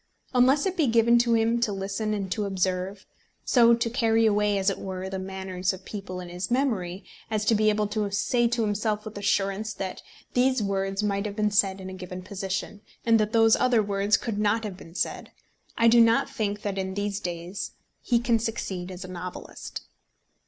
Unless it be given to him to listen and to observe, so to carry away, as it were, the manners of people in his memory, as to be able to say to himself with assurance that these words might have been said in a given position, and that those other words could not have been said, I do not think that in these days he can succeed as a novelist.